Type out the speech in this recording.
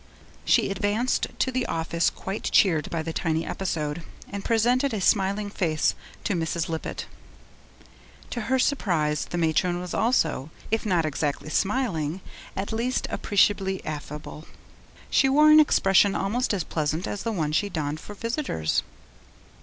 She advanced to the office quite cheered by the tiny episode, and presented a smiling face to Mrs. Lippett. To her surprise the matron was also, if not exactly smiling, at least appreciably affable; she wore an expression almost as pleasant as the one she donned for visitors.